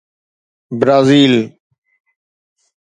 Brazil